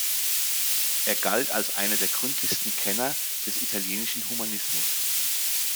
Er galt als einer der gründlichsten Kenner des italienischen Humanismus.